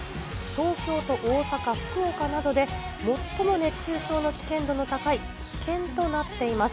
東京と大阪、福岡などで最も熱中症の危険度の高い、危険となっています。